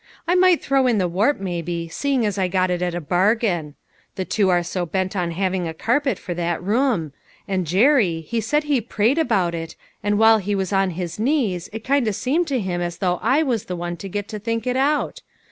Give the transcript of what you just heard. I might throw in the warp, maybe, seeing I got it at a bargain. The two are so bent on having a carpet for that room ; and Jerry, he said he had prayed about it, and while he was on his knees, it kind of seemed to him as though I was the one to get to' think it out.